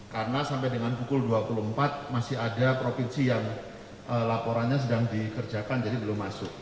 karena sampai dengan pukul dua puluh empat masih ada provinsi yang laporannya sedang dikerjakan jadi belum masuk